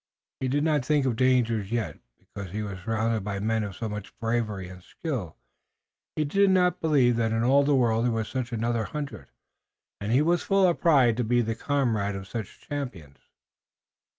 He did not think of danger yet, because he was surrounded by men of so much bravery and skill. He did not believe that in all the world there was such another hundred, and he was full of pride to be the comrade of such champions.